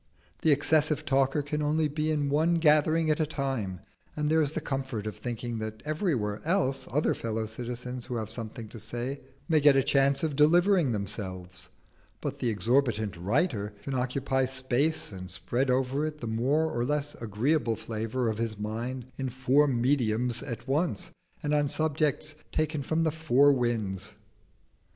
The excessive talker can only be in one gathering at a time, and there is the comfort of thinking that everywhere else other fellow citizens who have something to say may get a chance of delivering themselves; but the exorbitant writer can occupy space and spread over it the more or less agreeable flavour of his mind in four "mediums" at once, and on subjects taken from the four winds.